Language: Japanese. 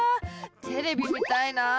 テレビ見たいな。